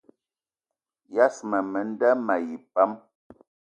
Yas ma menda mayi pam